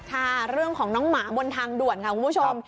ค่ะเรื่องของน้องหมาบนทางด่วนค่ะคุณผู้ชม